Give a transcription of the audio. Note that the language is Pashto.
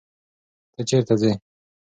ته چیرته ځې.